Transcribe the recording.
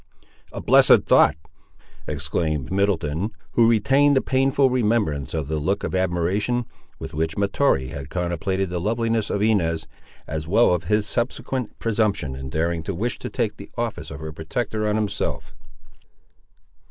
"A blessed thought!" exclaimed Middleton, who retained a painful remembrance of the look of admiration, with which Mahtoree had contemplated the loveliness of Inez, as well as of his subsequent presumption in daring to wish to take the office of her protector on himself.